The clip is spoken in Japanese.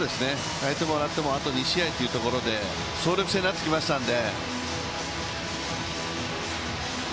泣いても笑ってもあと２試合というところで、総力戦になってきましたので。